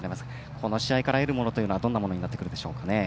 この試合から得るものはどんなものになってくるでしょう。